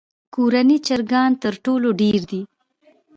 کورني چرګان تر ټولو ډېر دي.